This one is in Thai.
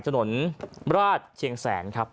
ถนนราชเชียงแสนครับ